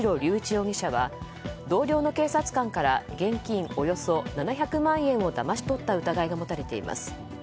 容疑者は同僚の警察官から現金およそ７００万円をだまし取った疑いが持たれています。